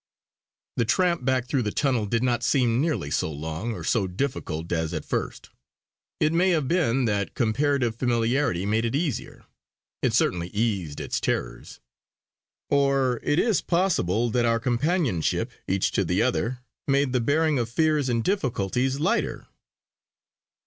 The tramp back through the tunnel did not seem nearly so long or so difficult as at first. It may have been that comparative familiarity made it easier; it certainly eased its terrors. Or it is possible that our companionship, each to the other, made the bearing of fears and difficulties lighter.